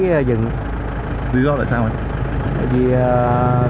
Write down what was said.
phí dừng là sao anh